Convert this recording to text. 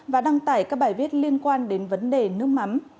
và đăng tải các bài viết liên quan đến vấn đề nước mắm